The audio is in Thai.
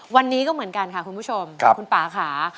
วันนี้ก็เหมือนกันค่ะคุณผู้ชมคุณป่าค่ะ